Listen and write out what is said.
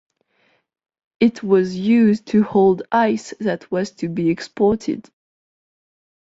It was used to hold ice that was to be exported.